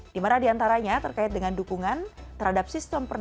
dimana diantaranya terkait dengan dukungan terhadap sistem politik